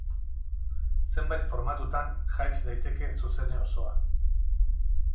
Zenbait formatutan jaits daiteke zuzene osoa.